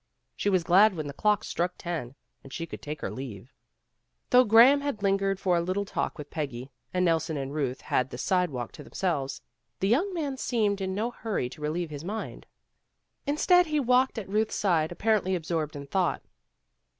She was glad when the clock struck ten and she could take her leave. Though Graham had lingered for a little talk with Peggy, and Nelson and Ruth had the side walk to themselves, the young man seemed in no hurry to relieve his mind. Instead he 129 130 PEGGY RAYMOND'S WAY walked at Ruth's side apparently absorbed in thought.